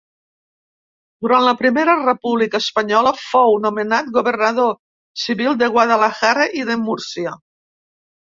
Durant la Primera República Espanyola fou nomenat governador civil de Guadalajara i de Múrcia.